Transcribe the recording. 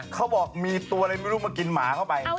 เขาบอกมีตัวอะไรไม่รู้มากินหมาเข้าไป